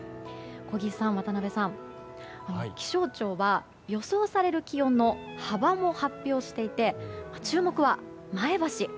小木さん、渡辺さん気象庁は予想される気温の幅も発表していて注目は前橋。